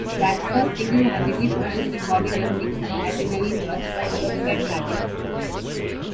Traxster single-handedly produced, recorded, and mixed "Adrenaline Rush", which is certified platinum.